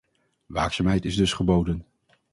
Waakzaamheid is dus geboden.